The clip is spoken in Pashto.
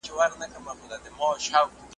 دربار به نه وای په حجرو کي ,